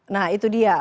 nah itu dia